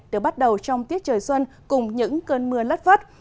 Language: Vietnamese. được bắt đầu trong tiết trời xuân cùng những cơn mưa lất vất